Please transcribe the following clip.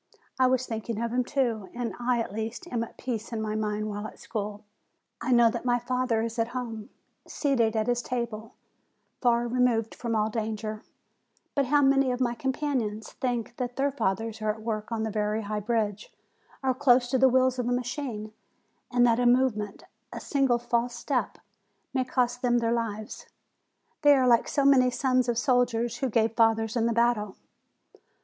I was thinking of him, too. I, at least, am at peace in my mind while I am in school: I know that my father is at home, seated at his table, far removed from all danger; but how many of my companions think that their fathers are at work on a very high bridge or close to the wheels of a machine, and that a movement, a single false step, may cost them their lives! They are like so many sons of soldiers who have fathers in the battle.